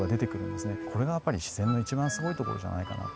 これがやっぱり自然の一番すごいところじゃないかなと。